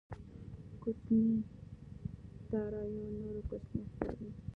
کوچنيې داراییو نورې کوچنۍ ښکاري.